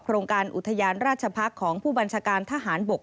โรงการอุทยานราชพักษ์ของผู้บัญชาการทหารบก